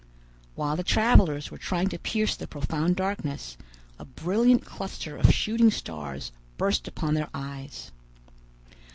While the travelers were trying to pierce the profound darkness, a brilliant cluster of shooting stars burst upon their eyes.